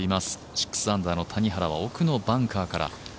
６アンダーの谷原は奥のバンカーから。